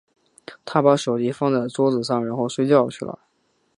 她把手机放在桌子上，然后睡觉去了。